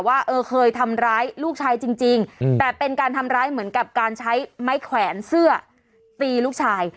ว่าเออเคยทำร้ายลูกชายจริงแต่เป็นการทำร้ายเหมือนกับการใช้ไม้แขวนเสื้อตีลูกชาย